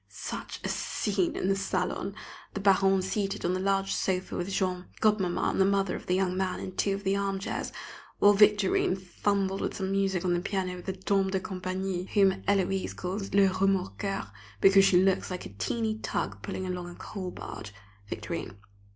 Such a scene in the salon! The Baronne seated on the large sofa with Jean; Godmamma and the mother of the young man in two of the armchairs; while Victorine fumbled with some music on the piano with the dame de compagnie, whom Héloise calls "le Remorqueur," because she looks like a teeny tug pulling along a coal barge (Victorine).